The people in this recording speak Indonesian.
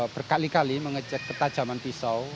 berkali kali mengecek ketajaman pisau